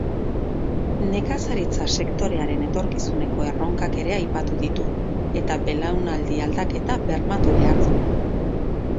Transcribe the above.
Nekazaritza-sektorearen etorkizuneko erronkak ere aipatu ditu, eta belaunaldi-aldaketa bermatu behar du.